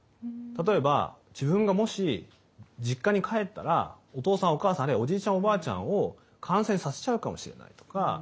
例えば自分がもし実家に帰ったらお父さんお母さんあるいはおじいちゃんおばあちゃんを感染させちゃうかもしれないとか。